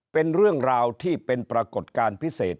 เป็นเรื่องราวที่เป็นปรากฏการณ์พิเศษ